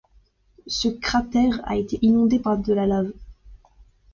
Ce cratère a été inondé par de la lave.